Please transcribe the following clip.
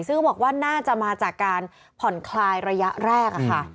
ซึ่งก็บอกว่าน่าจะมาจากการผ่อนคลายระยะแรก